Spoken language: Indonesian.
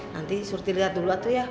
nanti surti lihat dulu aku ya